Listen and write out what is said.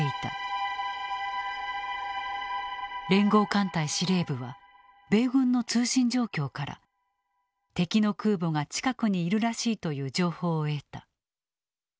連合艦隊司令部は米軍の通信状況から敵の空母が近くにいるらしいという情報を得た。